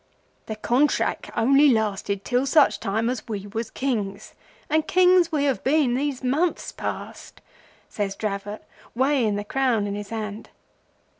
"'The Contrack only lasted till such time as we was Kings; and Kings we have been these months past,' says Dravot, weighing his crown in his hand.